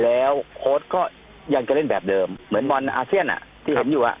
แล้วโค้ดก็ยังจะเล่นแบบเดิมเหมือนบอลอาเซียนที่เห็นอยู่อ่ะ